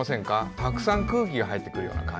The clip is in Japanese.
たくさん空気が入ってくるような感じ。